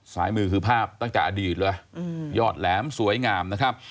สายมือคือภาพตั้งแต่อดีตเลยยอดแหลมสวยงาม